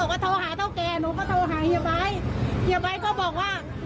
สวยชีวิตทั้งคู่ก็ออกมาไม่ได้อีกเลยครับ